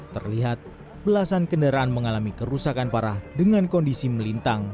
terlihat belasan kendaraan mengalami kerusakan parah dengan kondisi melintang